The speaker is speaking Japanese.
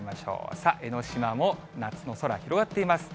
さあ、江の島も夏の空、広がっています。